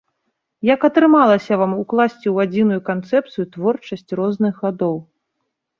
Як атрымалася вам укласці ў адзіную канцэпцыю творчасць розных гадоў?